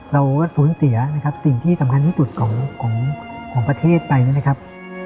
เราก็สูญเสียนะครับสิ่งที่สำคัญที่สุดของประเทศไปนะครับ